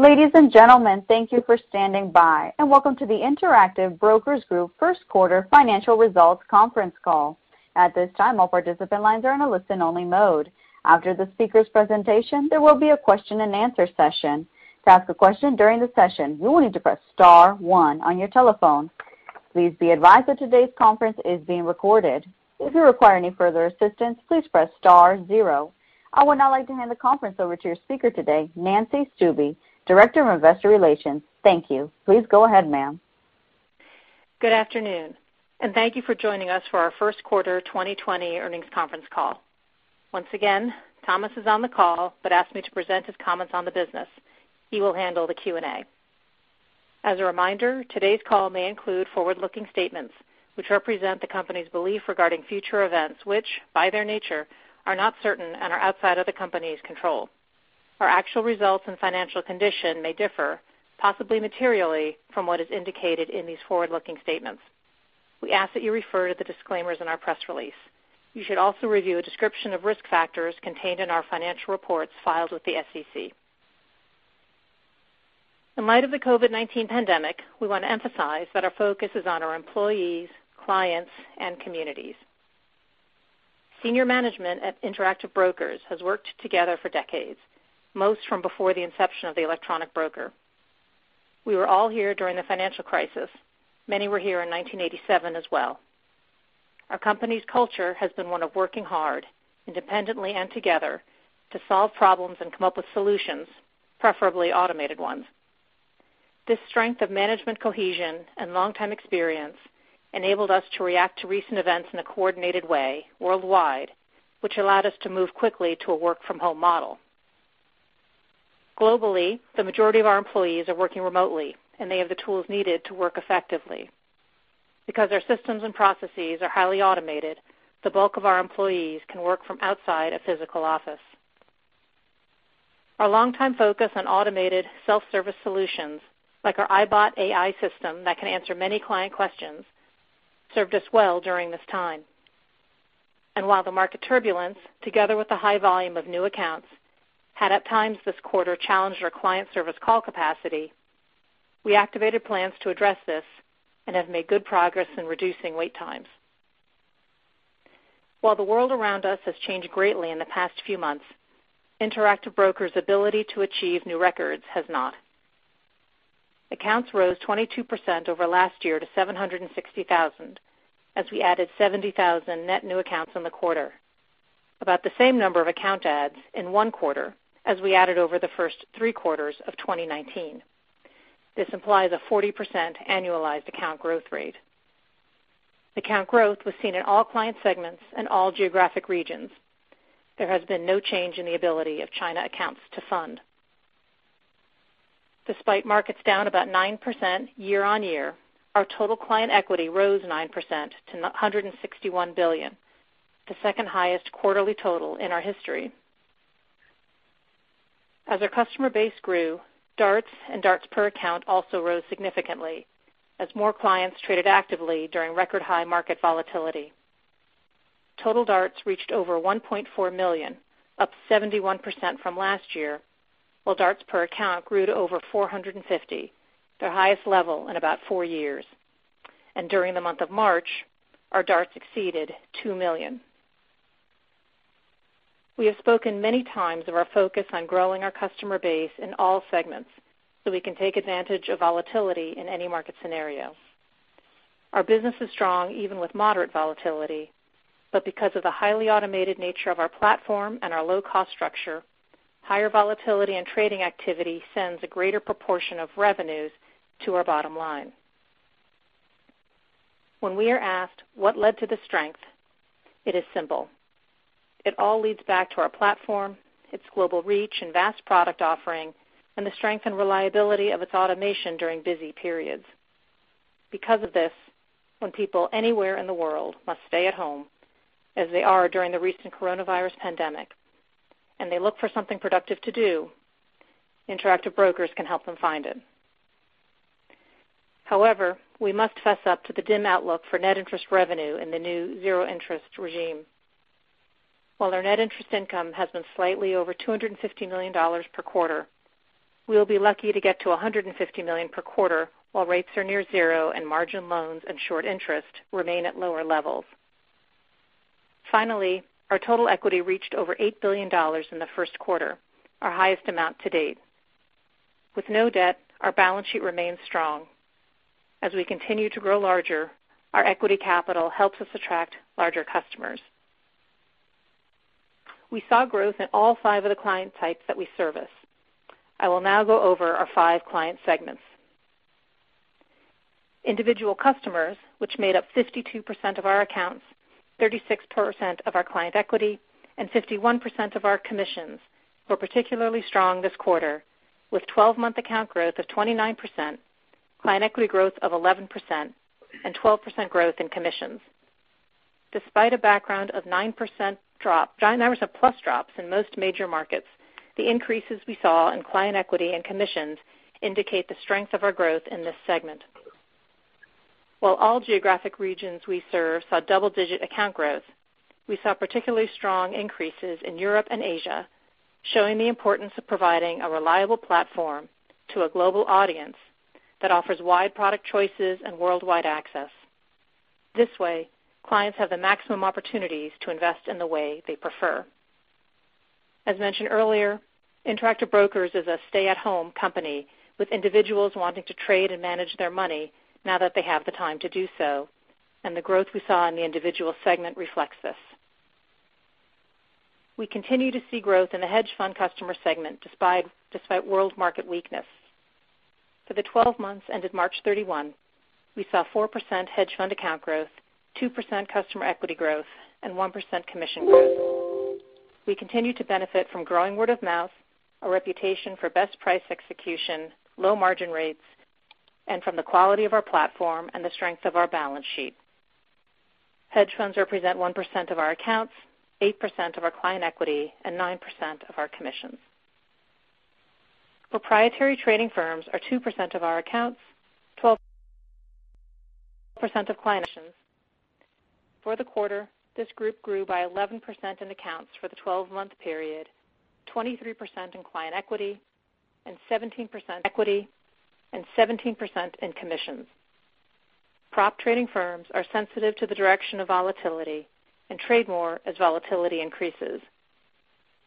Ladies and gentlemen, thank you for standing by, and welcome to the Interactive Brokers Group First Quarter Financial Results Conference Call. At this time, all participant lines are in a listen-only mode. After the speakers' presentation, there will be a question-and-answer session. To ask a question during the session, you will need to press star one on your telephone. Please be advised that today's conference is being recorded. If you require any further assistance, please press star zero. I would now like to hand the conference over to your speaker today, Nancy Stuebe, Director of Investor Relations. Thank you. Please go ahead, ma'am. Good afternoon, and thank you for joining us for our first quarter 2020 earnings conference call. Thomas is on the call, but asked me to present his comments on the business. He will handle the Q&A. As a reminder, today's call may include forward-looking statements, which represent the company's belief regarding future events, which, by their nature, are not certain and are outside of the company's control. Our actual results and financial condition may differ, possibly materially, from what is indicated in these forward-looking statements. We ask that you refer to the disclaimers in our press release. You should also review a description of risk factors contained in our financial reports filed with the SEC. In light of the COVID-19 pandemic, we want to emphasize that our focus is on our employees, clients, and communities. Senior management at Interactive Brokers has worked together for decades, most from before the inception of the electronic broker. We were all here during the financial crisis. Many were here in 1987 as well. Our company's culture has been one of working hard, independently and together, to solve problems and come up with solutions, preferably automated ones. This strength of management cohesion and long-term experience enabled us to react to recent events in a coordinated way worldwide, which allowed us to move quickly to a work-from-home model. Globally, the majority of our employees are working remotely, and they have the tools needed to work effectively. Because our systems and processes are highly automated, the bulk of our employees can work from outside a physical office. Our longtime focus on automated self-service solutions, like our IBot AI system that can answer many client questions, served us well during this time. While the market turbulence, together with the high volume of new accounts, had at times this quarter challenged our client service call capacity, we activated plans to address this and have made good progress in reducing wait times. While the world around us has changed greatly in the past few months, Interactive Brokers' ability to achieve new records has not. Accounts rose 22% over last year to 760,000 as we added 70,000 net new accounts in the quarter. About the same number of account adds in one quarter as we added over the first three quarters of 2019. This implies a 40% annualized account growth rate. Account growth was seen in all client segments and all geographic regions. There has been no change in the ability of China accounts to fund. Despite markets down about 9% year-on-year, our total client equity rose 9% to $161 billion, the second-highest quarterly total in our history. As our customer base grew, DARTs and DARTs per account also rose significantly as more clients traded actively during record-high market volatility. Total DARTs reached over 1.4 million, up 71% from last year, while DARTs per account grew to over 450, their highest level in about four years. During the month of March, our DARTs exceeded 2 million. We have spoken many times of our focus on growing our customer base in all segments so we can take advantage of volatility in any market scenario. Our business is strong even with moderate volatility, but because of the highly automated nature of our platform and our low-cost structure, higher volatility and trading activity sends a greater proportion of revenues to our bottom line. When we are asked what led to the strength, it is simple. It all leads back to our platform, its global reach and vast product offering, and the strength and reliability of its automation during busy periods. Because of this, when people anywhere in the world must stay at home, as they are during the recent coronavirus pandemic, and they look for something productive to do, Interactive Brokers can help them find it. However, we must fess up to the dim outlook for net interest revenue in the new zero-interest regime. While our net interest income has been slightly over $250 million per quarter, we will be lucky to get to $150 million per quarter while rates are near zero and margin loans and short interest remain at lower levels. Finally, our total equity reached over $8 billion in the first quarter, our highest amount to date. With no debt, our balance sheet remains strong. As we continue to grow larger, our equity capital helps us attract larger customers. We saw growth in all five of the client types that we service. I will now go over our five client segments. Individual customers, which made up 52% of our accounts, 36% of our client equity, and 51% of our commissions, were particularly strong this quarter, with 12-month account growth of 29%, client equity growth of 11%, and 12% growth in commissions. Despite a background of 9% plus drops in most major markets, the increases we saw in client equity and commissions indicate the strength of our growth in this segment. While all geographic regions we serve saw double-digit account growth, we saw particularly strong increases in Europe and Asia, showing the importance of providing a reliable platform to a global audience that offers wide product choices and worldwide access. This way, clients have the maximum opportunities to invest in the way they prefer. As mentioned earlier, Interactive Brokers is a stay-at-home company with individuals wanting to trade and manage their money now that they have the time to do so, and the growth we saw in the individual segment reflects this. We continue to see growth in the hedge fund customer segment despite world market weakness. For the 12 months ended March 31, we saw 4% hedge fund account growth, 2% customer equity growth, and 1% commission growth. We continue to benefit from growing word of mouth, a reputation for best price execution, low margin rates, and from the quality of our platform and the strength of our balance sheet. Hedge funds represent 1% of our accounts, 8% of our client equity, and 9% of our commissions. Proprietary trading firms are 2% of our accounts, 12% of client commissions. For the quarter, this group grew by 11% in accounts for the 12-month period, 23% in client equity, and 17% in commissions. Prop trading firms are sensitive to the direction of volatility and trade more as volatility increases.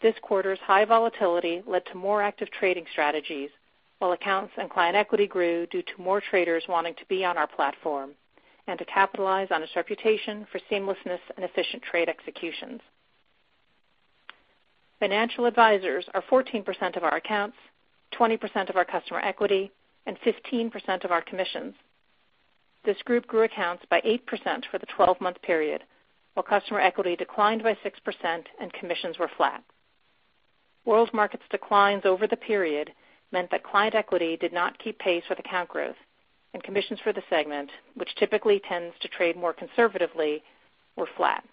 This quarter's high volatility led to more active trading strategies, while accounts and client equity grew due to more traders wanting to be on our platform and to capitalize on its reputation for seamlessness and efficient trade executions. Financial advisors are 14% of our accounts, 20% of our customer equity, and 15% of our commissions. This group grew accounts by 8% for the 12-month period while customer equity declined by 6% and commissions were flat. World markets declines over the period meant that client equity did not keep pace with account growth, and commissions for the segment, which typically tends to trade more conservatively, were flat.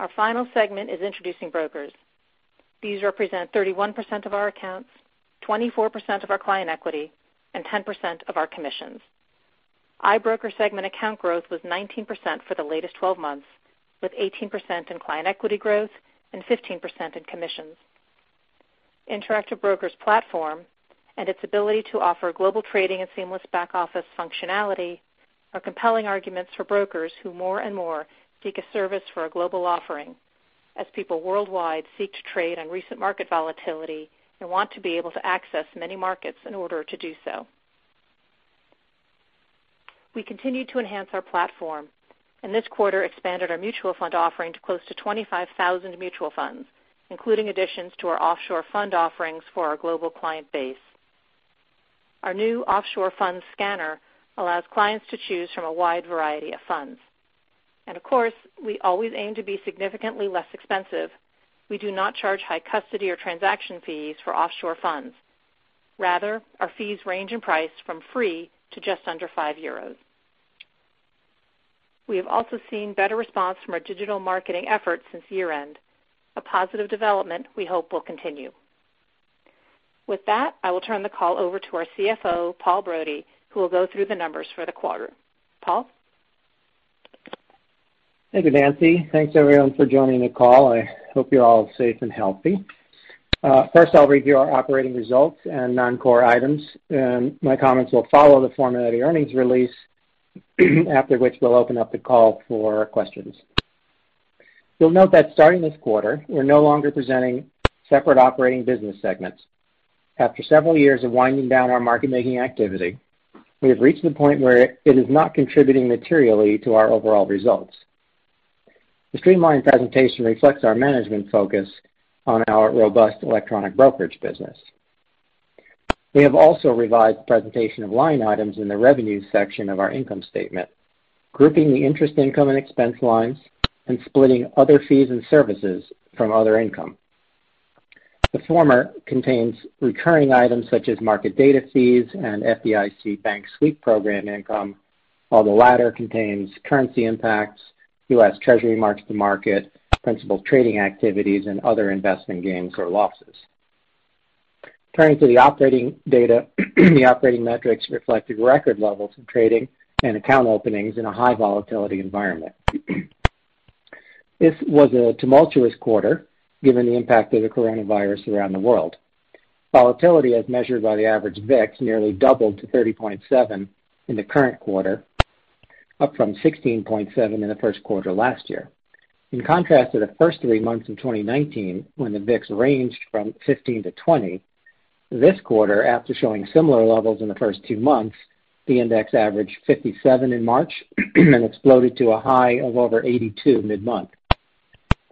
Our final segment is introducing brokers. These represent 31% of our accounts, 24% of our client equity, and 10% of our commissions. IBroker segment account growth was 19% for the latest 12 months, with 18% in client equity growth and 15% in commissions. Interactive Brokers' platform and its ability to offer global trading and seamless back-office functionality are compelling arguments for brokers who more and more seek a service for a global offering as people worldwide seek to trade on recent market volatility and want to be able to access many markets in order to do so. This quarter expanded our mutual fund offering to close to 25,000 mutual funds, including additions to our offshore fund offerings for our global client base. Our new offshore fund scanner allows clients to choose from a wide variety of funds. Of course, we always aim to be significantly less expensive. We do not charge high custody or transaction fees for offshore funds. Rather, our fees range in price from free to just under 5 euros. We have also seen better response from our digital marketing efforts since year-end, a positive development we hope will continue. With that, I will turn the call over to our CFO, Paul Brody, who will go through the numbers for the quarter. Paul? Thank you, Nancy. Thanks, everyone, for joining the call. I hope you're all safe and healthy. First, I'll review our operating results and non-core items. My comments will follow the format of the earnings release, after which we'll open up the call for questions. You'll note that starting this quarter, we're no longer presenting separate operating business segments. After several years of winding down our market-making activity, we have reached the point where it is not contributing materially to our overall results. The streamlined presentation reflects our management's focus on our robust electronic brokerage business. We have also revised presentation of line items in the revenue section of our income statement, grouping the interest income and expense lines and splitting other fees and services from other income. The former contains recurring items such as market data fees and FDIC Bank Sweep program income, while the latter contains currency impacts, U.S. Treasury mark-to-market, principal trading activities, and other investment gains or losses. Turning to the operating data, the operating metrics reflected record levels of trading and account openings in a high-volatility environment. This was a tumultuous quarter, given the impact of the coronavirus around the world. Volatility, as measured by the average VIX, nearly doubled to 30.7 in the current quarter, up from 16.7 in the first quarter last year. In contrast to the first three months of 2019, when the VIX ranged from 15-20, this quarter, after showing similar levels in the first two months, the index averaged 57 in March and exploded to a high of over 82 mid-month.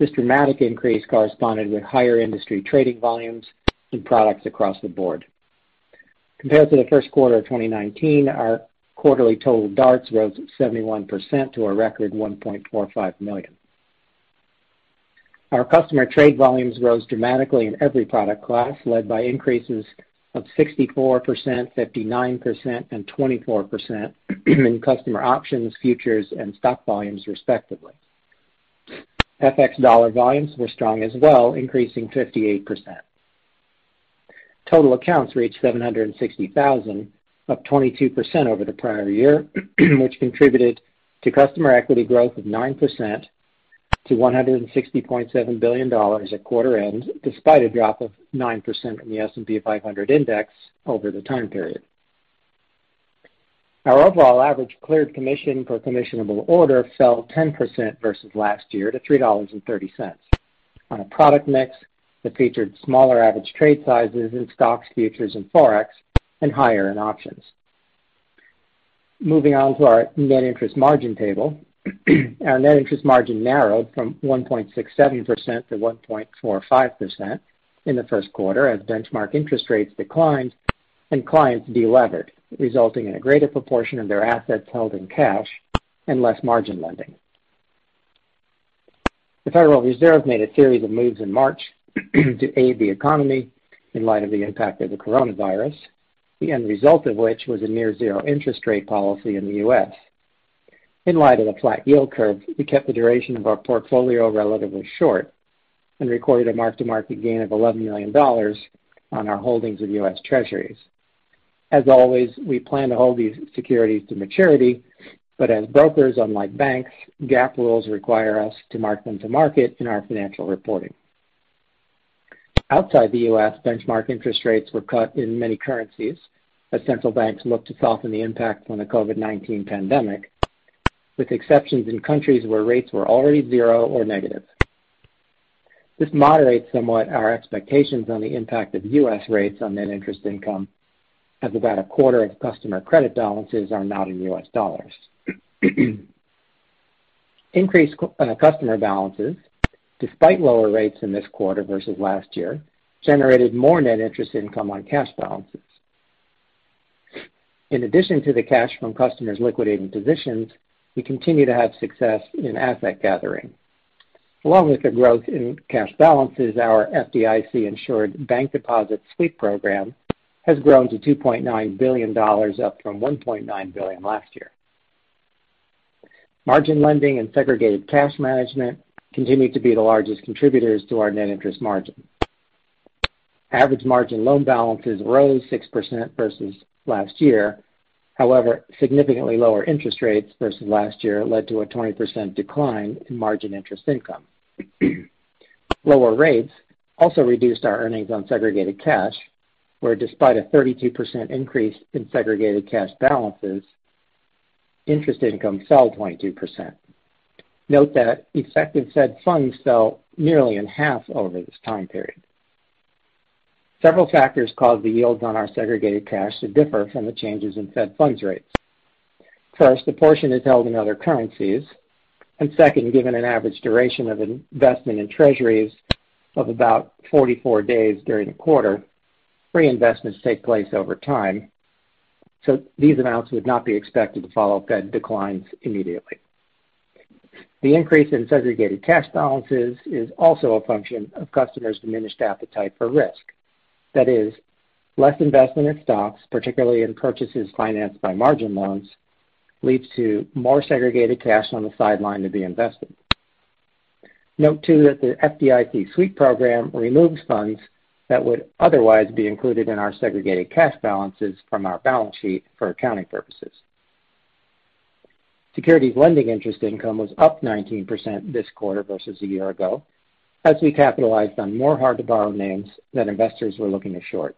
This dramatic increase corresponded with higher industry trading volumes in products across the board. Compared to the first quarter of 2019, our quarterly total DARTs rose 71% to a record 1.45 million. Our customer trade volumes rose dramatically in every product class, led by increases of 64%, 59%, and 24% in customer options, futures, and stock volumes, respectively. FX dollar volumes were strong as well, increasing 58%. Total accounts reached 760,000, up 22% over the prior year, which contributed to customer equity growth of 9% to $160.7 billion at quarter end, despite a drop of 9% in the S&P 500 index over the time period. Our overall average cleared commission per commissionable order fell 10% versus last year to $3.30 on a product mix that featured smaller average trade sizes in stocks, futures, and forex, and higher in options. Moving on to our net interest margin table. Our net interest margin narrowed from 1.67% to 1.45% in the first quarter as benchmark interest rates declined and clients de-levered, resulting in a greater proportion of their assets held in cash and less margin lending. The Federal Reserve made a series of moves in March to aid the economy in light of the impact of the coronavirus, the end result of which was a near-zero interest rate policy in the U.S. In light of the flat yield curve, we kept the duration of our portfolio relatively short and recorded a mark-to-market gain of $11 million on our holdings of U.S. Treasuries. As always, we plan to hold these securities to maturity, as brokers, unlike banks, GAAP rules require us to mark-to-market them in our financial reporting. Outside the U.S., benchmark interest rates were cut in many currencies as central banks looked to soften the impact from the COVID-19 pandemic, with exceptions in countries where rates were already zero or negative. This moderates somewhat our expectations on the impact of U.S. rates on net interest income, as about a quarter of customer credit balances are not in U.S. dollars. Increased customer balances, despite lower rates in this quarter versus last year, generated more net interest income on cash balances. In addition to the cash from customers liquidating positions, we continue to have success in asset gathering. Along with the growth in cash balances, our Insured Bank Deposit Sweep Program has grown to $2.9 billion, up from $1.9 billion last year. Margin lending and segregated cash management continue to be the largest contributors to our net interest margin. Average margin loan balances rose 6% versus last year. Significantly lower interest rates versus last year led to a 20% decline in margin interest income. Lower rates also reduced our earnings on segregated cash, where despite a 32% increase in segregated cash balances, interest income fell 22%. Note that effective Fed funds fell nearly in half over this time period. Several factors caused the yields on our segregated cash to differ from the changes in Fed funds rates. First, a portion is held in other currencies, second, given an average duration of investment in treasuries of about 44 days during the quarter, re-investments take place over time, so these amounts would not be expected to follow Fed declines immediately. The increase in segregated cash balances is also a function of customers' diminished appetite for risk. That is, less investment in stocks, particularly in purchases financed by margin loans, leads to more segregated cash on the sideline to be invested. Note, too, that the FDIC Sweep Program removes funds that would otherwise be included in our segregated cash balances from our balance sheet for accounting purposes. securities lending interest income was up 19% this quarter versus a year ago, as we capitalized on more hard-to-borrow names that investors were looking to short.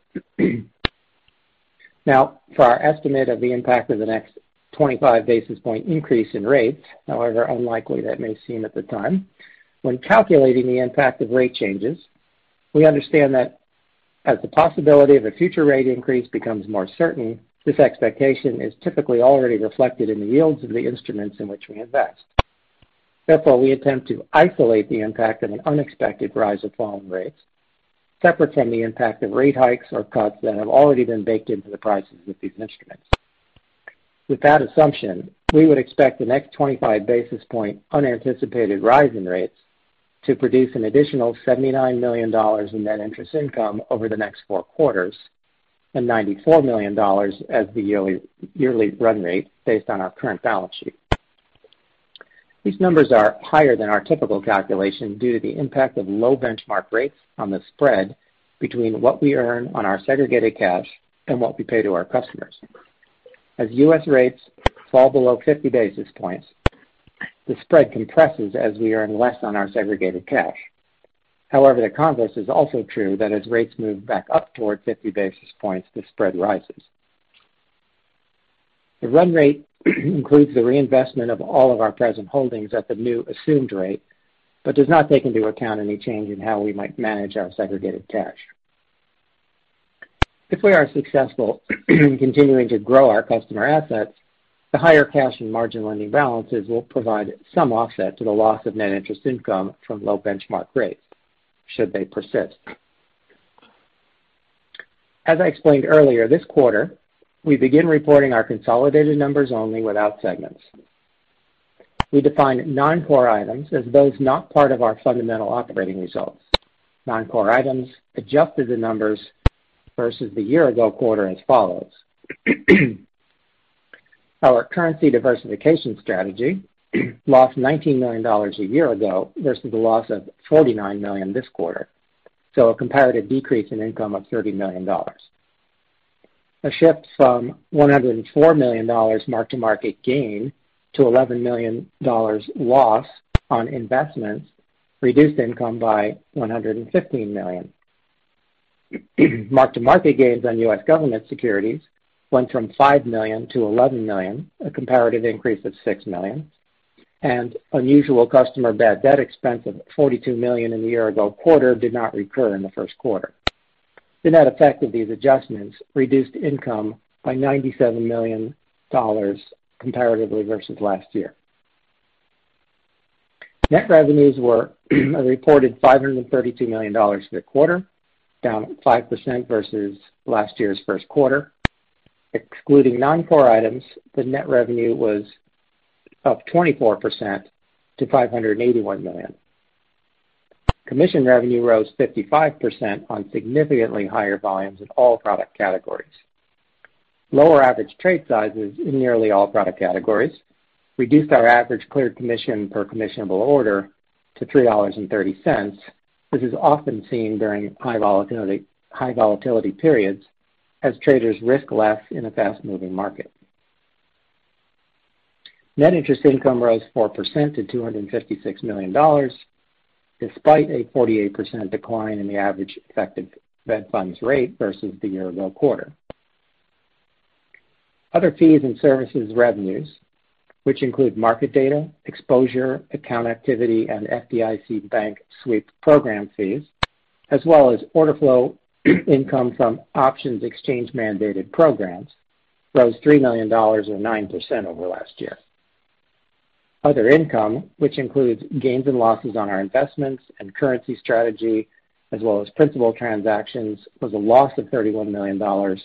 For our estimate of the impact of the next 25-basis point increase in rates, however unlikely that may seem at the time, when calculating the impact of rate changes, we understand that as the possibility of a future rate increase becomes more certain, this expectation is typically already reflected in the yields of the instruments in which we invest. Therefore, we attempt to isolate the impact of an unexpected rise or fall in rates, separate from the impact of rate hikes or cuts that have already been baked into the prices of these instruments. With that assumption, we would expect the next 25-basis point unanticipated rise in rates to produce an additional $79 million in net interest income over the next four quarters and $94 million as the yearly run rate based on our current balance sheet. These numbers are higher than our typical calculation due to the impact of low benchmark rates on the spread between what we earn on our segregated cash and what we pay to our customers. As U.S. rates fall below 50 basis points, the spread compresses as we earn less on our segregated cash. However, the converse is also true that as rates move back up towards 50 basis points, the spread rises. The run rate includes the reinvestment of all of our present holdings at the new assumed rate, but does not take into account any change in how we might manage our segregated cash. If we are successful in continuing to grow our customer assets, the higher cash and margin lending balances will provide some offset to the loss of net interest income from low benchmark rates should they persist. As I explained earlier, this quarter, we begin reporting our consolidated numbers only without segments. We define non-core items as those not part of our fundamental operating results. Non-core items adjusted the numbers versus the year-ago quarter as follows. Our currency diversification strategy lost $19 million a year ago versus the loss of $49 million this quarter. A comparative decrease in income of $30 million. A shift from $104 million mark-to-market gain to $11 million loss on investments reduced income by $115 million. Mark-to-market gains on U.S. government securities went from $5 million to $11 million, a comparative increase of $6 million. Unusual customer bad debt expense of $42 million in the year-ago quarter did not recur in the first quarter. The net effect of these adjustments reduced income by $97 million comparatively versus last year. Net revenues were a reported $532 million for the quarter, down 5% versus last year's first quarter. Excluding non-core items, the net revenue was up 24% to $581 million. Commission revenue rose 55% on significantly higher volumes in all product categories. Lower average trade sizes in nearly all product categories reduced our average clear commission per commissionable order to $3.30. This is often seen during high volatility periods as traders risk less in a fast-moving market. Net interest income rose 4% to $256 million, despite a 48% decline in the average effective Fed funds rate versus the year-ago quarter. Other fees and services revenues, which include market data, exposure, account activity, and FDIC Bank Sweep Program fees, as well as order flow income from options exchange-mandated programs, rose $3 million or 9% over last year. Other income, which includes gains and losses on our investments and currency strategy, as well as principal transactions, was a loss of $31 million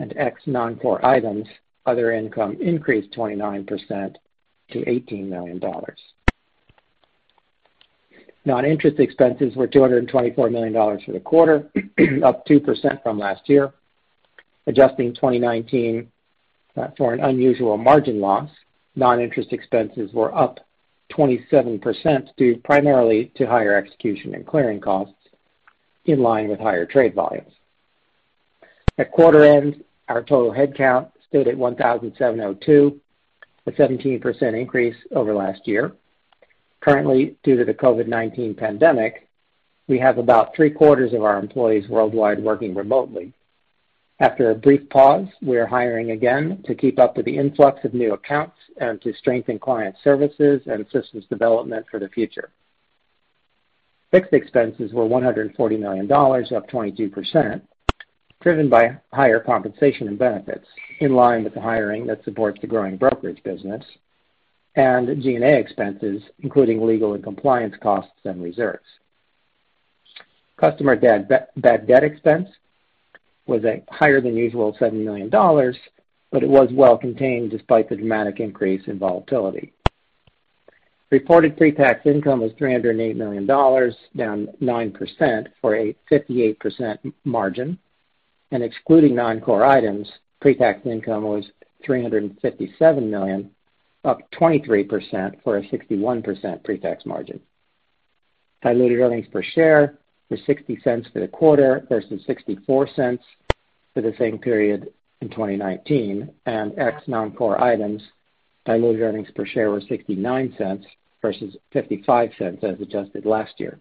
and ex non-core items, other income increased 29% to $18 million. Non-interest expenses were $224 million for the quarter, up 2% from last year. Adjusting 2019 for an unusual margin loss, non-interest expenses were up 27%, due primarily to higher execution and clearing costs in line with higher trade volumes. At quarter end, our total headcount stood at 1,702, a 17% increase over last year. Currently, due to the COVID-19 pandemic, we have about three-quarters of our employees worldwide working remotely. After a brief pause, we are hiring again to keep up with the influx of new accounts and to strengthen client services and systems development for the future. Fixed expenses were $140 million, up 22%, driven by higher compensation and benefits in line with the hiring that supports the growing brokerage business and G&A expenses, including legal and compliance costs and reserves. Customer bad debt expense was a higher than usual $7 million, but it was well contained despite the dramatic increase in volatility. Reported pre-tax income was $308 million, down 9% for a 58% margin, and excluding non-core items, pre-tax income was $357 million, up 23% for a 61% pre-tax margin. Diluted earnings per share were $0.60 for the quarter versus $0.64 for the same period in 2019. Ex non-core items, diluted earnings per share were $0.69 versus $0.55 as adjusted last year.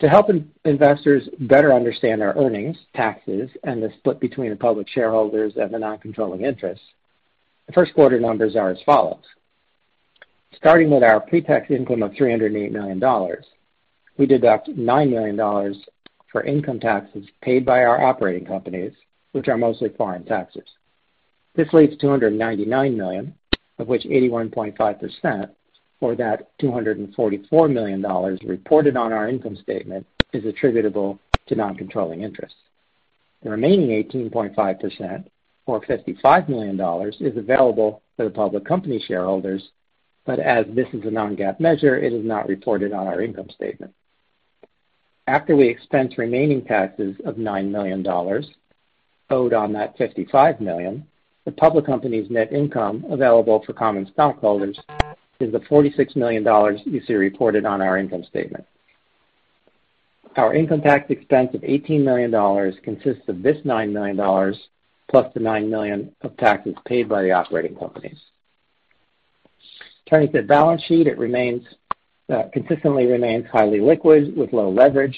To help investors better understand our earnings, taxes, and the split between the public shareholders and the non-controlling interests, the first quarter numbers are as follows. Starting with our pre-tax income of $308 million, we deduct $9 million for income taxes paid by our operating companies, which are mostly foreign taxes. This leaves $299 million, of which 81.5%, or that $244 million reported on our income statement, is attributable to non-controlling interests. The remaining 18.5%, or $55 million, is available to the public company shareholders, as this is a non-GAAP measure, it is not reported on our income statement. After we expense remaining taxes of $9 million owed on that $55 million, the public company's net income available for common stockholders is the $46 million you see reported on our income statement. Our income tax expense of $18 million consists of this $9 million plus the $9 million of taxes paid by the operating companies. Turning to the balance sheet, it consistently remains highly liquid with low leverage.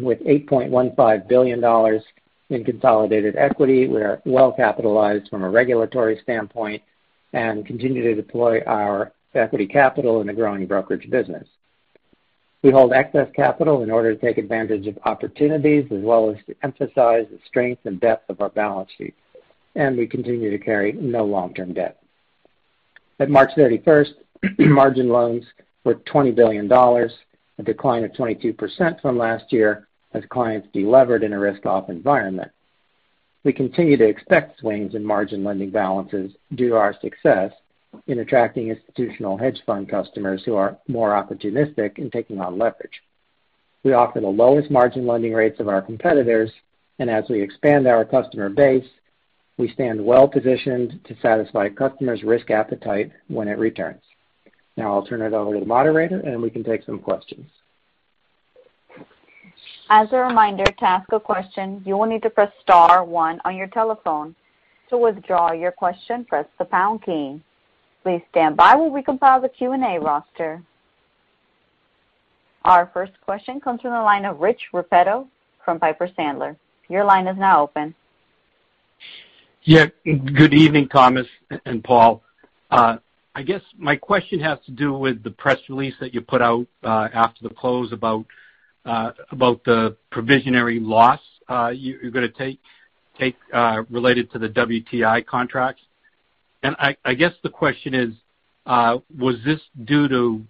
With $8.15 billion in consolidated equity, we are well capitalized from a regulatory standpoint and continue to deploy our equity capital in the growing brokerage business. We hold excess capital in order to take advantage of opportunities as well as to emphasize the strength and depth of our balance sheet, and we continue to carry no long-term debt. At March 31st, margin loans were $20 billion, a decline of 22% from last year as clients de-levered in a risk-off environment. We continue to expect swings in margin lending balances due to our success in attracting institutional hedge fund customers who are more opportunistic in taking on leverage. We offer the lowest margin lending rates of our competitors, and as we expand our customer base, we stand well-positioned to satisfy customers' risk appetite when it returns. I'll turn it over to the moderator, and we can take some questions. As a reminder, to ask a question, you will need to press star one on your telephone. To withdraw your question, press the pound key. Please stand by while we compile the Q&A roster. Our first question comes from the line of Rich Repetto from Piper Sandler. Your line is now open. Yeah. Good evening, Thomas and Paul. I guess my question has to do with the press release that you put out, after the close about the provisionary loss you're going to take related to the WTI contracts. I guess the question is, was this due to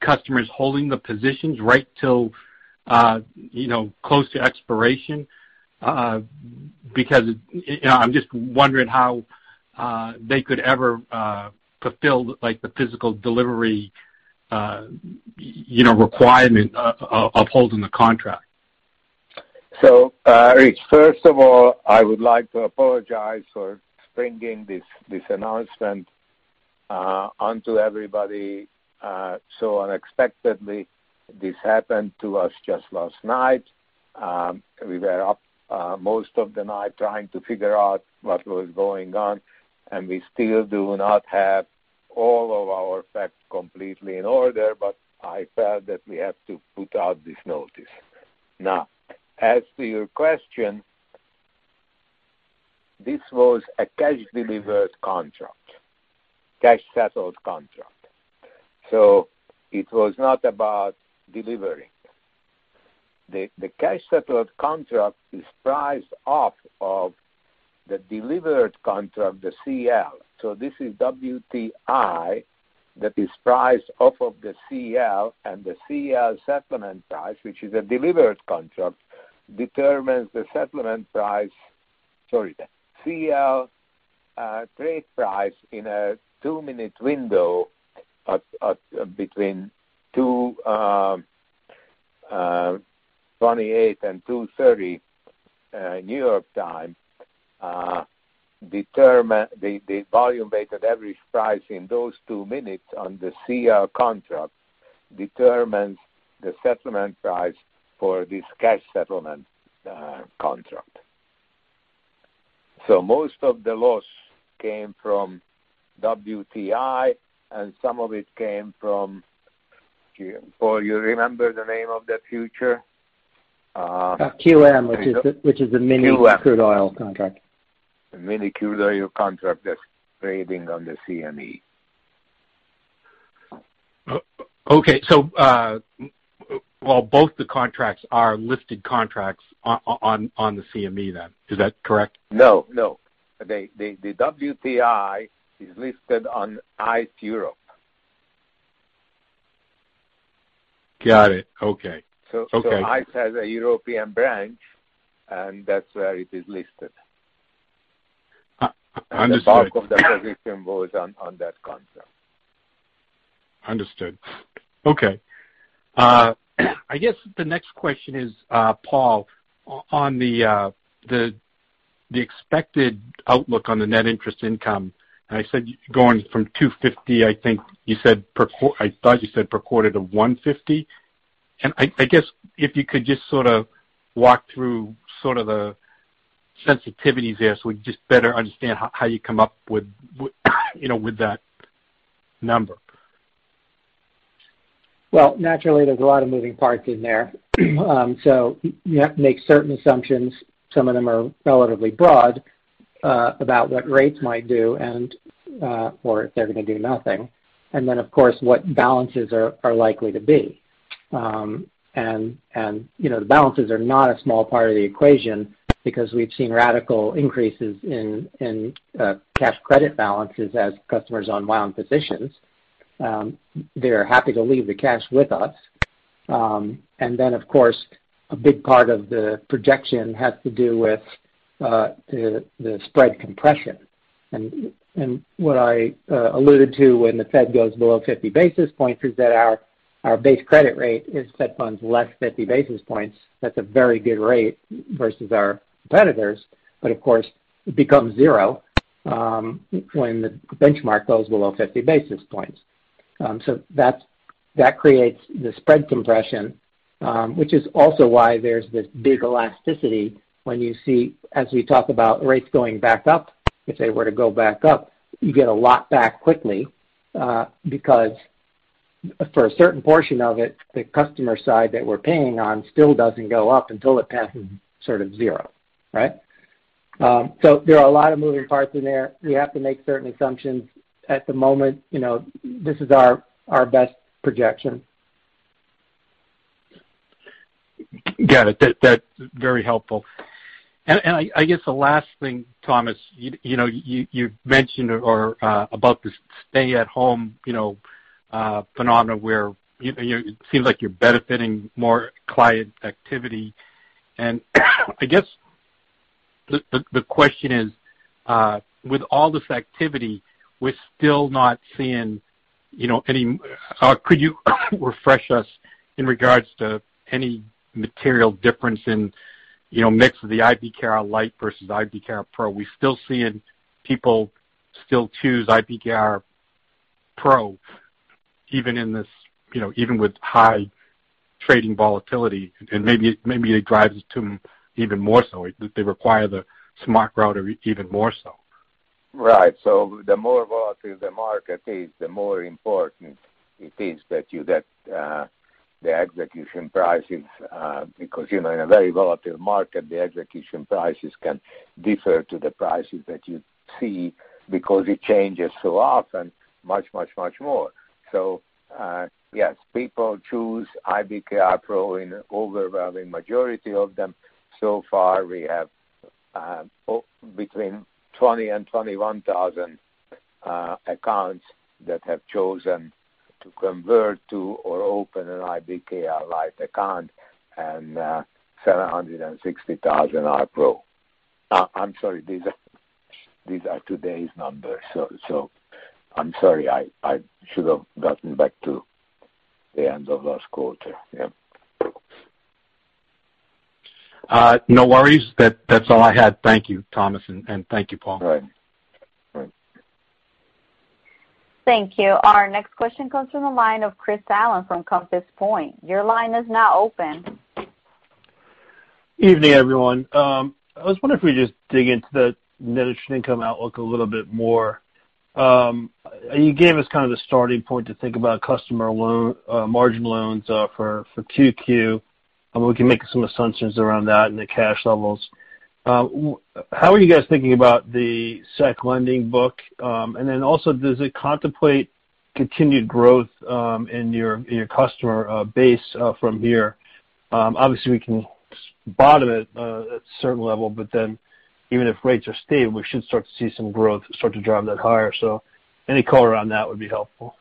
customers holding the positions right till close to expiration? I'm just wondering how they could ever fulfill the physical delivery requirement of holding the contract. Rich, first of all, I would like to apologize for springing this announcement onto everybody so unexpectedly. This happened to us just last night. We were up most of the night trying to figure out what was going on, and we still do not have all of our facts completely in order, but I felt that we had to put out this notice. As to your question, this was a cash delivered contract, cash settled contract. It was not about delivering. The cash settled contract is priced off of the delivered contract, the CL. This is WTI that is priced off of the CL, and the CL settlement price, which is a delivered contract, determines the settlement price. Sorry. The CL trade price in a two-minute window between 2:28 A.M. and 2:30 A.M. New York time. The volume-weighted average price in those two minutes on the CL contract determines the settlement price for this cash settlement contract. Most of the loss came from WTI, and some of it came from Paul, you remember the name of the future? QM, which is the mini Crude Oil contract. The mini crude oil contract that's trading on the CME. Okay. Well, both the contracts are listed contracts on the CME then. Is that correct? No. The WTI is listed on ICE Europe. Got it. Okay. ICE has a European branch, and that's where it is listed. Understood. The bulk of the position was on that contract. Understood. Okay. I guess the next question is, Paul, on the expected outlook on the net interest income, I said going from $250, I think you said per quarter. I thought you said per quarter to $150. I guess if you could just sort of walk through sort of the sensitivities there so we just better understand how you come up with that number. Naturally, there's a lot of moving parts in there. You have to make certain assumptions. Some of them are relatively broad, about what rates might do and, or if they're going to do nothing. Of course, what balances are likely to be. The balances are not a small part of the equation because we've seen radical increases in cash credit balances as customers unwind positions. They're happy to leave the cash with us. Of course, a big part of the projection has to do with the spread compression. What I alluded to when the Fed goes below 50 basis points is that our base credit rate is Fed Funds less 50 basis points. That's a very good rate versus our competitors. It becomes zero when the benchmark goes below 50 basis points. That creates the spread compression, which is also why there's this big elasticity when you see, as we talk about rates going back up. If they were to go back up, you get a lot back quickly, because for a certain portion of it, the customer side that we're paying on still doesn't go up until it passes sort of zero, right. There are a lot of moving parts in there. We have to make certain assumptions at the moment. This is our best projection. Got it. That's very helpful. I guess the last thing, Thomas, you mentioned about this stay-at-home phenomena where it seems like you're benefiting more client activity. I guess the question is, with all this activity, could you refresh us in regards to any material difference in mix of the IBKR Lite versus IBKR Pro? We're still seeing people still choose IBKR Pro even with high trading volatility, and maybe it drives it to even more so, they require the Smart Router even more so. Right. The more volatile the market is, the more important it is that you get the execution pricing, because in a very volatile market, the execution prices can differ to the prices that you see because it changes so often, much more. Yes, people choose IBKR Pro in overwhelming majority of them. Far, we have between 20,000 and 21,000 accounts that have chosen to convert to or open an IBKR Lite account, and 760,000 are Pro. I'm sorry, these are today's numbers. I'm sorry, I should have gotten back to the end of last quarter. Yeah. No worries. That's all I had. Thank you, Thomas, and thank you, Paul. Right. Thank you. Our next question comes from the line of Chris Allen from Compass Point. Your line is now open. Evening, everyone. I was wondering if we just dig into the net interest income outlook a little bit more. You gave us the starting point to think about customer margin loans for 2Q. We can make some assumptions around that and the cash levels. How are you guys thinking about the securities lending book? Also, does it contemplate continued growth in your customer base from here? Obviously, we can bottom it at a certain level, but then even if rates are stable, we should start to see some growth start to drive that higher. Any color on that would be helpful.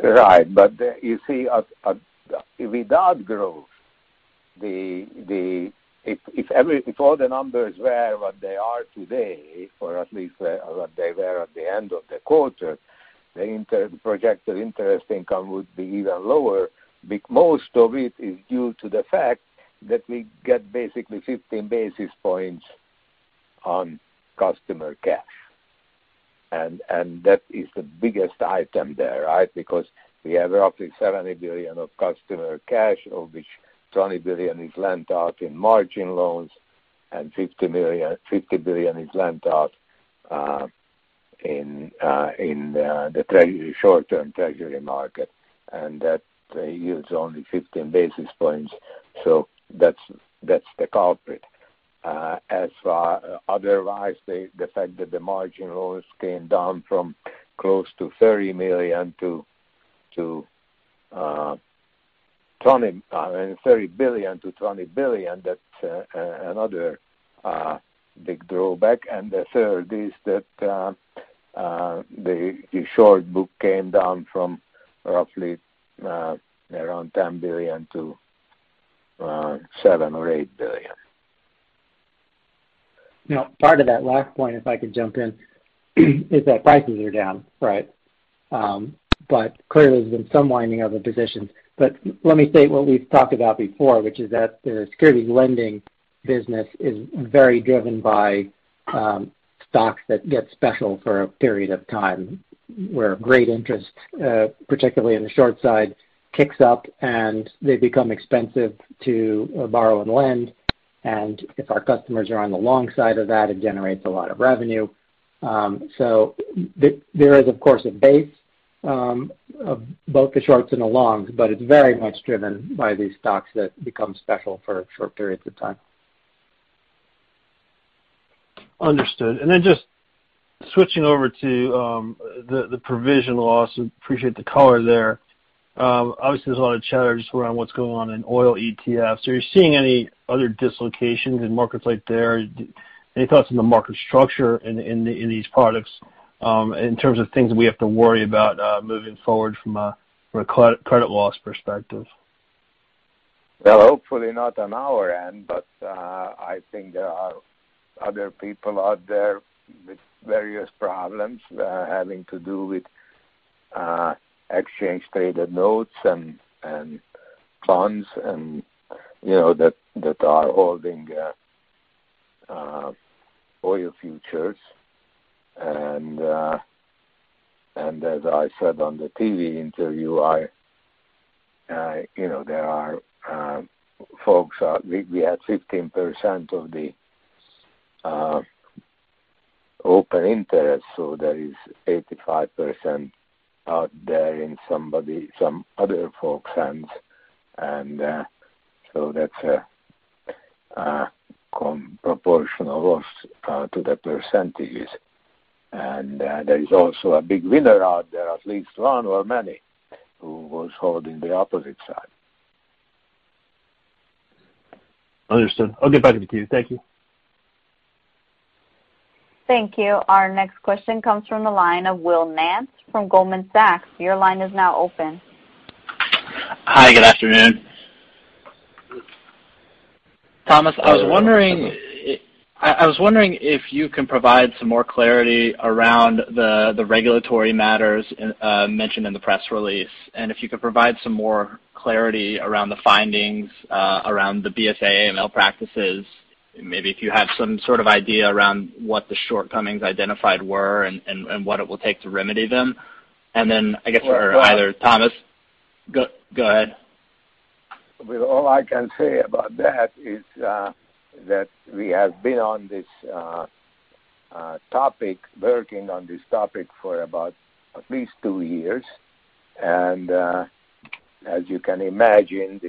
You see, without growth, if all the numbers were what they are today, or at least what they were at the end of the quarter, the projected interest income would be even lower. Most of it is due to the fact that we get basically 15 basis points on customer cash. That is the biggest item there. Because we have roughly $70 billion of customer cash, of which $20 billion is lent out in margin loans and $50 billion is lent out in the short-term treasury market. That yields only 15 basis points. That's the culprit. As for otherwise, the fact that the margin loans came down from close to $30 billion to $20 billion, that's another big drawback. The third is that the short book came down from roughly around $10 billion to $7 or $8 billion. Part of that last point, if I could jump in, is that prices are down. Clearly, there's been some winding of the positions. Let me state what we've talked about before, which is that the securities lending business is very driven by stocks that get special for a period of time, where great interest, particularly in the short side, kicks up and they become expensive to borrow and lend. If our customers are on the long side of that, it generates a lot of revenue. There is, of course, a base of both the shorts and the longs, but it's very much driven by these stocks that become special for short periods of time. Understood. Just switching over to the provision loss, appreciate the color there. Obviously, there's a lot of chatter just around what's going on in oil ETFs. Are you seeing any other dislocations in markets like there? Any thoughts on the market structure in these products, in terms of things we have to worry about moving forward from a credit loss perspective? Well, hopefully not on our end, but I think there are other people out there with various problems having to do with exchange traded notes and funds that are holding oil futures. As I said on the TV interview, we had 15% of the open interest, so there is 85% out there in some other folks' hands. That's a proportional loss to the percentages. There is also a big winner out there, at least one or many, who was holding the opposite side. Understood. I'll get back in the queue. Thank you. Thank you. Our next question comes from the line of Will Nance from Goldman Sachs. Your line is now open. Hi, good afternoon. Thomas, I was wondering if you can provide some more clarity around the regulatory matters mentioned in the press release. If you could provide some more clarity around the findings around the BSA/AML practices. Maybe if you have some sort of idea around what the shortcomings identified were and what it will take to remedy them. Then I guess for either Thomas. Go ahead. Will, all I can say about that is that we have been on this topic, working on this topic for about at least two years. As you can imagine,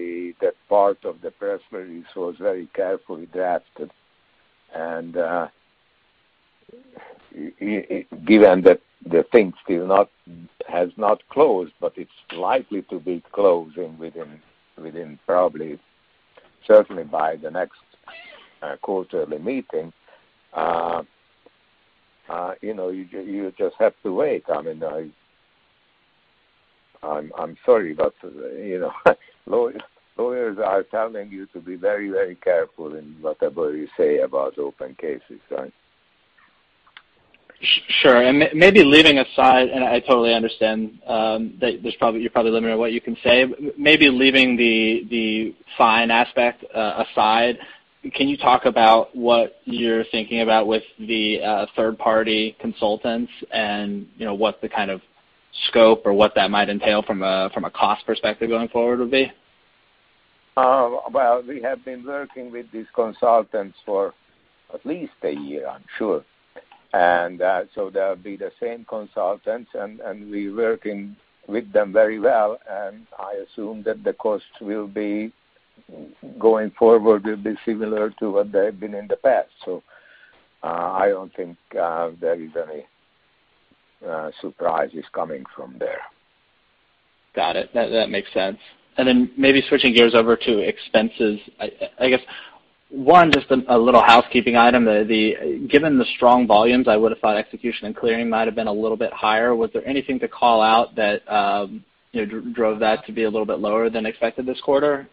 that part of the press release was very carefully drafted and given that the thing has not closed, but it's likely to be closing within, probably, certainly by the next quarterly meeting. You just have to wait. I'm sorry, lawyers are telling you to be very careful in whatever you say about open cases, right? Sure. Maybe leaving aside, and I totally understand that you're probably limited in what you can say, maybe leaving the fine aspect aside, can you talk about what you're thinking about with the third-party consultants and what the kind of scope or what that might entail from a cost perspective going forward would be? Well, we have been working with these consultants for at least a year, I'm sure. They'll be the same consultants, and we're working with them very well, and I assume that the cost going forward will be similar to what they've been in the past. I don't think there is any surprises coming from there. Got it. That makes sense. Maybe switching gears over to expenses. I guess one, just a little housekeeping item. Given the strong volumes, I would've thought execution and clearing might have been a little bit higher. Was there anything to call out that drove that to be a little bit lower than expected this quarter?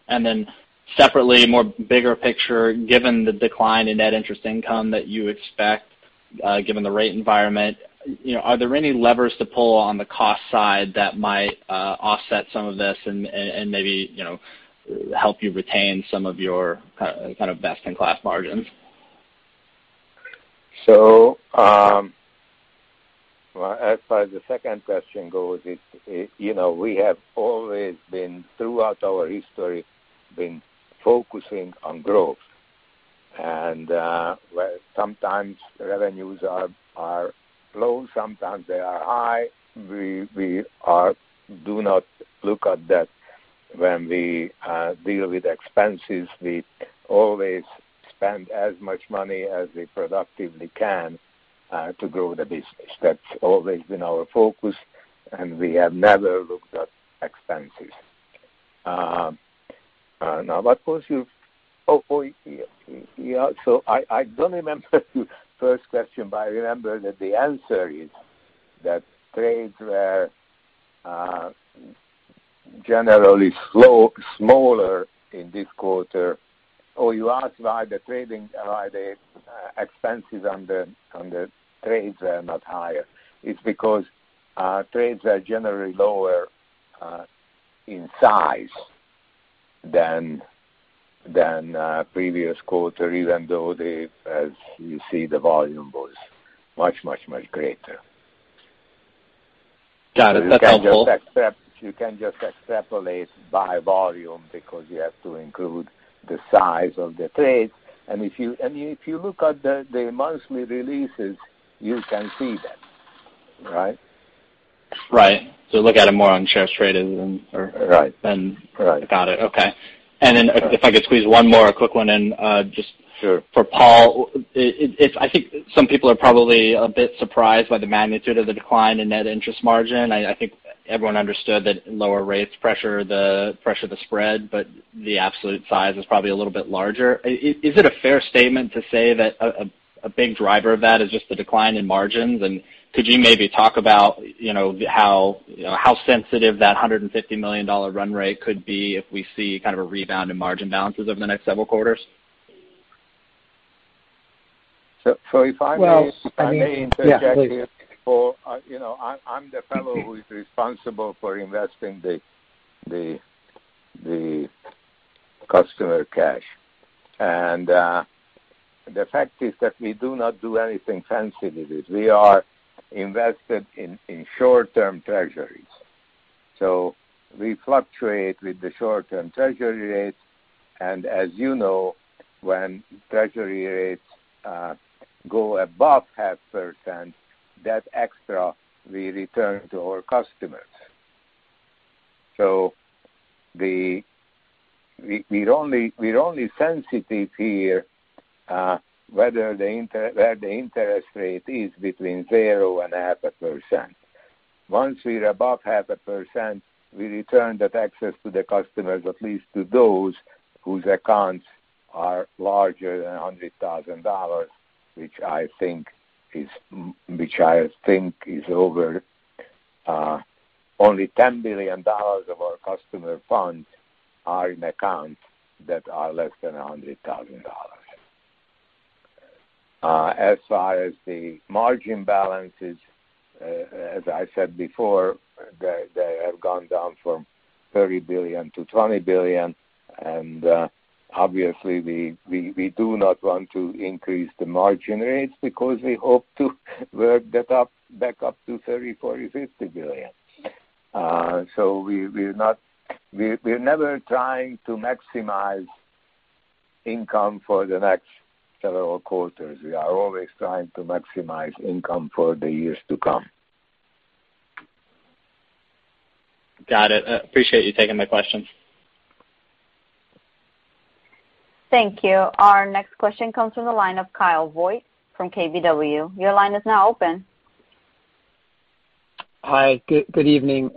Separately, more bigger picture, given the decline in net interest income that you expect given the rate environment, are there any levers to pull on the cost side that might offset some of this and maybe help you retain some of your best-in-class margins? As far as the second question goes, we have always been, throughout our history, been focusing on growth. Where sometimes revenues are low, sometimes they are high. We do not look at that when we deal with expenses. We always spend as much money as we productively can to grow the business. That's always been our focus, and we have never looked at expenses. I don't remember the first question, but I remember that the answer is that trades were generally smaller in this quarter, or you ask why the trading expenses on the trades are not higher. It's because our trades are generally lower in size than previous quarter, even though as you see, the volume was much greater. Got it. That's helpful. You can't just extrapolate by volume because you have to include the size of the trades. If you look at the monthly releases, you can see that. Right? Right. look at it more on shares traded than. Right. Got it. Okay. If I could squeeze one more quick one in? Sure For Paul. I think some people are probably a bit surprised by the magnitude of the decline in net interest margin. I think everyone understood that lower rates pressure the spread, the absolute size is probably a little bit larger. Is it a fair statement to say that a big driver of that is just the decline in margins? Could you maybe talk about how sensitive that $150 million run rate could be if we see a rebound in margin balances over the next several quarters? If I may interject here. Yeah. Paul, I'm the fellow who is responsible for investing the customer cash. The fact is that we do not do anything fancy with it. We are invested in short-term Treasuries. We fluctuate with the short-term Treasury rates, and as you know, when Treasury rates go above 0.5%, that excess we return to our customers. We're only sensitive here where the interest rate is between zero and 0.5%. Once we are above 0.5%, we return that excess to the customers, at least to those whose accounts are larger than $100,000. Only $10 billion of our customer funds are in accounts that are less than $100,000. As far as the margin balances, as I said before, they have gone down from $30 billion to $20 billion. Obviously, we do not want to increase the margin rates because we hope to work that up back up to $30 billion, $40 billion, $50 billion. We're never trying to maximize income for the next several quarters. We are always trying to maximize income for the years to come. Got it. I appreciate you taking my questions. Thank you. Our next question comes from the line of Kyle Voigt from KBW. Your line is now open. Hi. Good evening.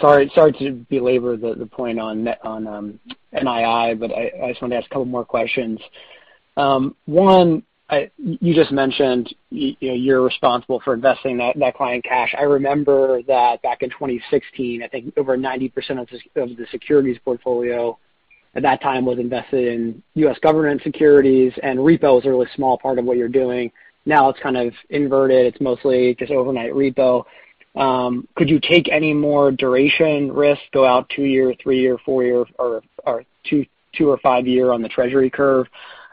Sorry to belabor the point on NII, but I just wanted to ask a couple more questions. One, you just mentioned you're responsible for investing that client cash. I remember that back in 2016, I think over 90% of the securities portfolio at that time was invested in U.S. government securities, and repos are a small part of what you're doing. Now it's kind of inverted. It's mostly just overnight repo. Could you take any more duration risk, go out two-year, three-year, four-year, or two-year or five-year on the Treasury curve?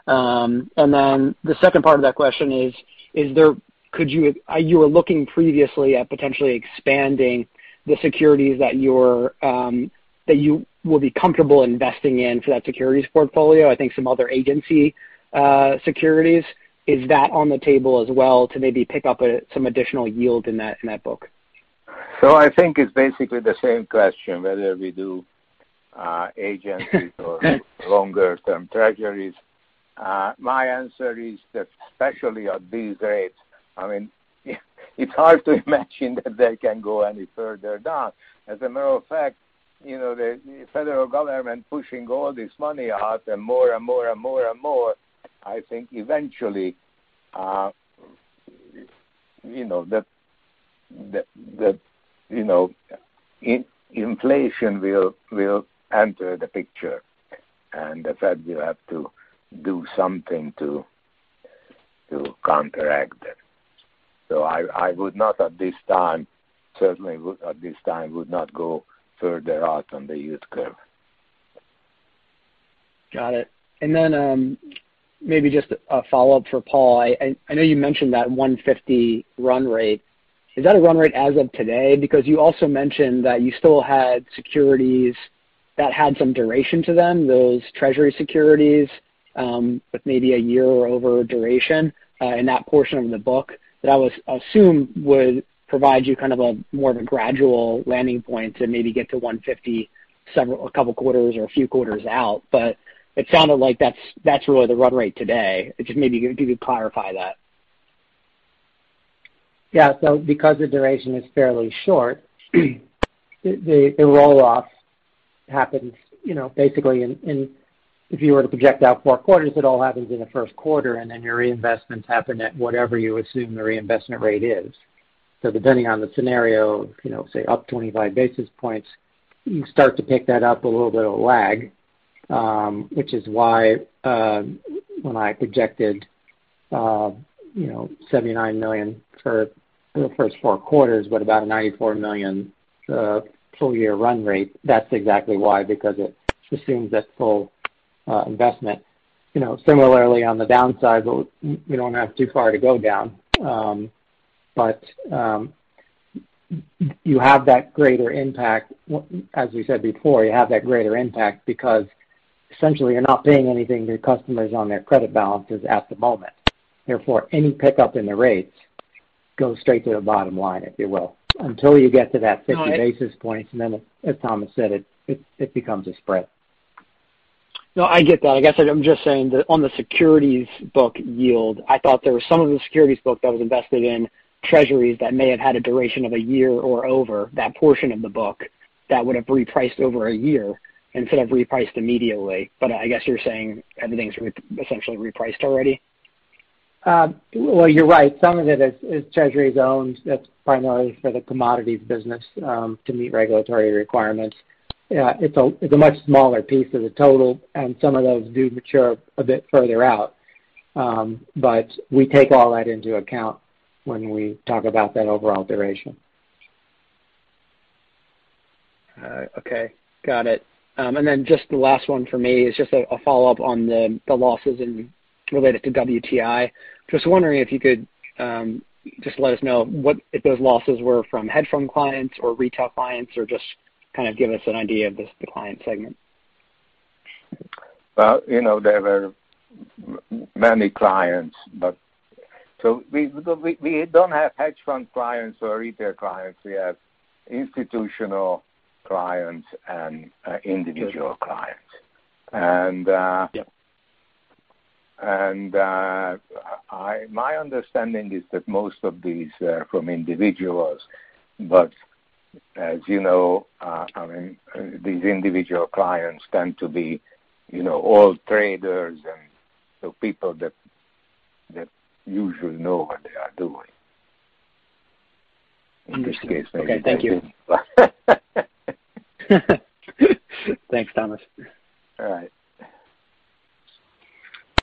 The second part of that question is, you were looking previously at potentially expanding the securities that you will be comfortable investing in for that securities portfolio. I think some other agency securities. Is that on the table as well to maybe pick up some additional yield in that book? I think it's basically the same question, whether we do agencies or longer-term treasuries. My answer is that especially at these rates, it's hard to imagine that they can go any further down. As a matter of fact, the federal government pushing all this money out and more and more, I think eventually inflation will enter the picture, and the Fed will have to do something to counteract it. I would not at this time, certainly would not go further out on the yield curve. Got it. Maybe just a follow-up for Paul. I know you mentioned that 150 run rate. Is that a run rate as of today? You also mentioned that you still had securities that had some duration to them, those Treasury securities with maybe a year or over duration in that portion of the book that I assume would provide you kind of a more of a gradual landing point to maybe get to 150 a couple of quarters or a few quarters out. It sounded like that's really the run rate today. Just maybe could you clarify that? Yeah. Because the duration is fairly short, the roll-off happens basically in, if you were to project out four quarters, it all happens in the first quarter. Then your reinvestments happen at whatever you assume the reinvestment rate is. Depending on the scenario, say up 25 basis points, you start to pick that up a little bit of lag, which is why when I projected $79 million for the first four quarters, but about a $94 million full-year run rate, that's exactly why, because it assumes that full investment. Similarly, on the downside, we don't have too far to go down. You have that greater impact, as we said before, you have that greater impact because essentially you're not paying anything to your customers on their credit balances at the moment. Therefore, any pickup in the rates goes straight to the bottom line, if you will, until you get to that 50 basis points. Then, as Thomas said, it becomes a spread. I get that. I guess I'm just saying that on the securities book yield, I thought there was some of the securities book that was invested in treasuries that may have had a duration of one year or over that portion of the book that would have repriced over one year instead of repriced immediately. I guess you're saying everything's essentially repriced already. Well, you're right. Some of it is Treasury bonds. That's primarily for the commodities business to meet regulatory requirements. It's a much smaller piece of the total, and some of those do mature a bit further out. We take all that into account when we talk about that overall duration. All right. Okay. Got it. Then just the last one for me is just a follow-up on the losses related to WTI. Just wondering if you could just let us know if those losses were from hedge fund clients or retail clients, or just kind of give us an idea of the client segment. There were many clients. We don't have hedge fund clients or retail clients. We have institutional clients and individual clients. Yeah. My understanding is that most of these are from individuals, but as you know, these individual clients tend to be all traders and people that usually know what they are doing. Okay. Thank you. Thanks, Thomas. All right.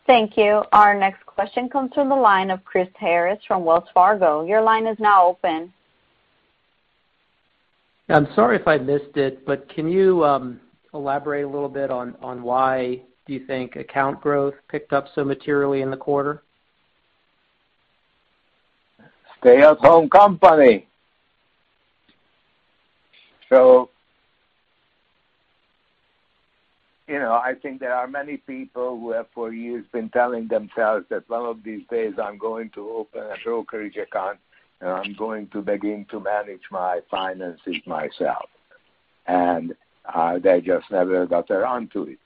Thank you. Our next question comes from the line of Chris Harris from Wells Fargo. Your line is now open. I'm sorry if I missed it, but can you elaborate a little bit on why you think account growth picked up so materially in the quarter? Stay-at-home company. I think there are many people who have for years been telling themselves that one of these days I'm going to open a brokerage account, and I'm going to begin to manage my finances myself. They just never got around to it.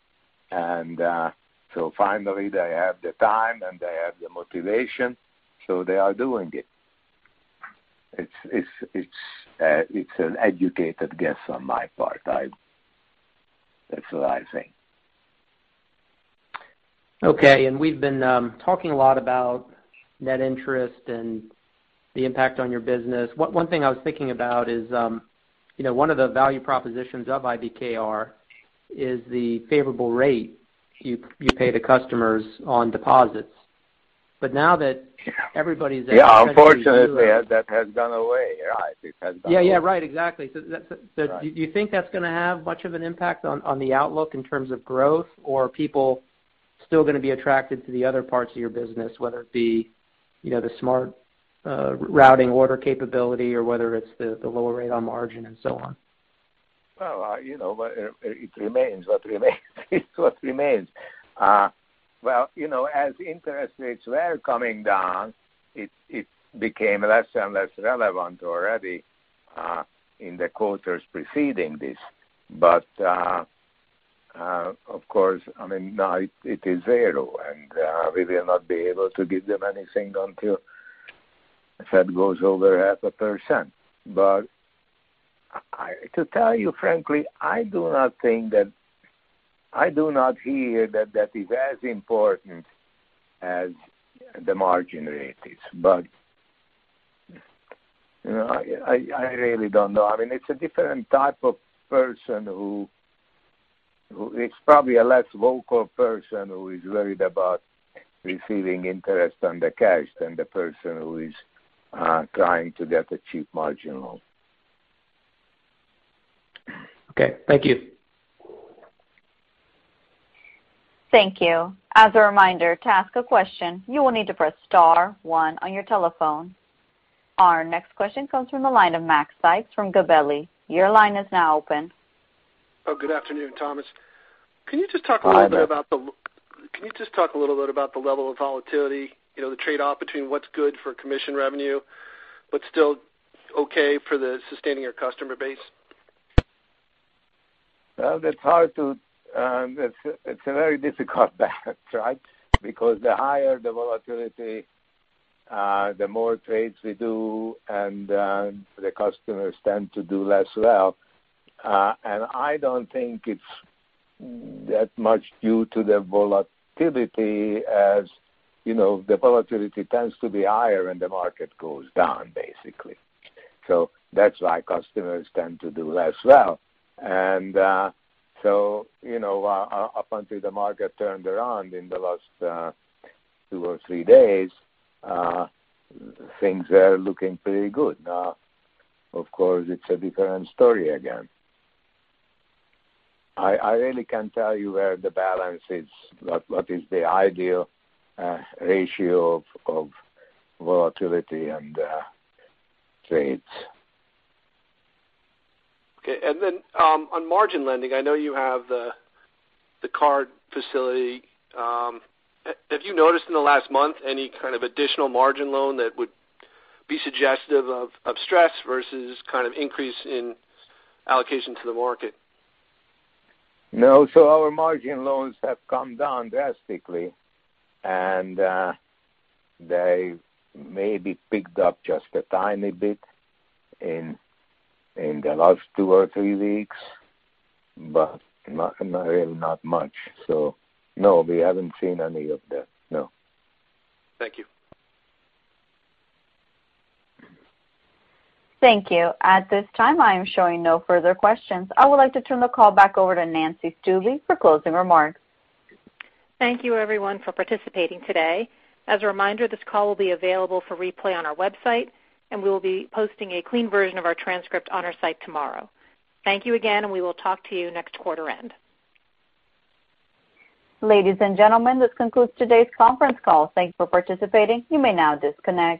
Finally, they have the time, and they have the motivation, so they are doing it. It's an educated guess on my part. That's what I think. Okay. We've been talking a lot about net interest and the impact on your business. One thing I was thinking about is one of the value propositions of IBKR is the favorable rate you pay the customers on deposits. Now that everybody's. Yeah. Unfortunately, that has gone away. It has gone away. Yeah. Right. Exactly. Do you think that's going to have much of an impact on the outlook in terms of growth, or are people still going to be attracted to the other parts of your business, whether it be the smart routing order capability or whether it's the lower rate on margin and so on? Well, it remains what remains. Well, as interest rates were coming down, it became less and less relevant already in the quarters preceding this. Of course, now it is zero, and we will not be able to give them anything until Fed goes over half a percent. To tell you frankly, I do not hear that is as important as the margin rate is. I really don't know. It's probably a less vocal person who is worried about receiving interest on the cash than the person who is trying to get a cheap margin. Okay. Thank you. Thank you. As a reminder, to ask a question, you will need to press star one on your telephone. Our next question comes from the line of Mac Sykes from Gabelli. Your line is now open. Oh, good afternoon, Thomas. Can you just talk a little bit about the level of volatility, the trade-off between what's good for commission revenue but still okay for sustaining your customer base? Well, it's a very difficult balance, right? Because the higher the volatility, the more trades we do, and the customers tend to do less well. I don't think it's that much due to the volatility as the volatility tends to be higher, and the market goes down, basically. That's why customers tend to do less well. Up until the market turned around in the last two or three days, things were looking pretty good. Now, of course, it's a different story again. I really can't tell you where the balance is, what is the ideal ratio of volatility and trades. Okay. On margin lending, I know you have the card facility. Have you noticed in the last month any kind of additional margin loan that would be suggestive of stress versus increase in allocation to the market? No. Our margin loans have come down drastically, and they maybe picked up just a tiny bit in the last two or three weeks, but really not much. No, we haven't seen any of that, no. Thank you. Thank you. At this time, I am showing no further questions. I would like to turn the call back over to Nancy Stuebe for closing remarks. Thank you, everyone, for participating today. As a reminder, this call will be available for replay on our website, and we will be posting a clean version of our transcript on our site tomorrow. Thank you again, and we will talk to you next quarter end. Ladies and gentlemen, this concludes today's conference call. Thank you for participating. You may now disconnect.